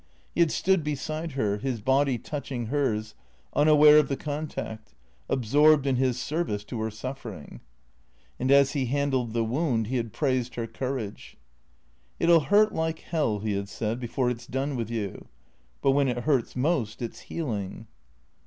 He had stood beside her, his body touching hers, unaware of the contact, absorbed in his service to her suffering. And as he handled the wound, he had praised her courage. " It '11 hurt like hell," he had said, " before it 's done with you. But when it hurts most it 's healing."